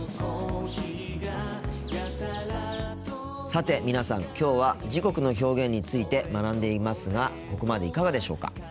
さて皆さんきょうは時刻の表現について学んでいますがここまでいかがでしょうか。